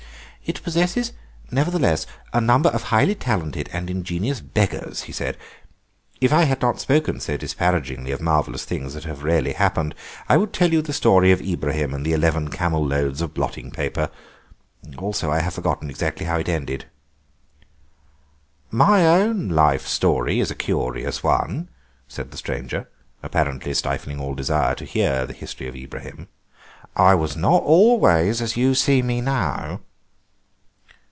"It possesses, nevertheless, a number of highly talented and ingenious beggars," he said; "if I had not spoken so disparagingly of marvellous things that have really happened I would tell you the story of Ibrahim and the eleven camel loads of blotting paper. Also I have forgotten exactly how it ended." "My own life story is a curious one," said the stranger, apparently stifling all desire to hear the history of Ibrahim; "I was not always as you see me now."